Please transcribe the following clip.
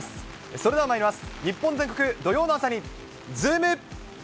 それではまいります。